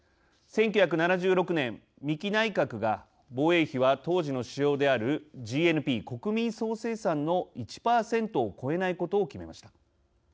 １９７６年三木内閣が防衛費は当時の指標であるＧＮＰ＝国民総生産の１％を超えないことを決めました。